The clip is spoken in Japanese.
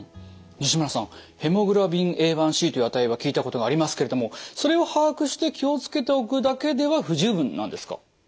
西村さんヘモグロビンＡ１ｃという値は聞いたことがありますけれどもそれを把握して気を付けておくだけでは不十分なんですか？